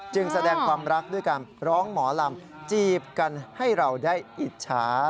แสดงความรักด้วยการร้องหมอลำจีบกันให้เราได้อิจฉา